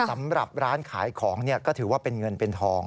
สำหรับร้านขายของก็ถือว่าเป็นเงินเป็นทอง